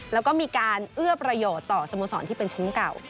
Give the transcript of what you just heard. แล้วก็มีการเอื้อประโยชน์ต่อสโมสรที่เป็นแชมป์เก่า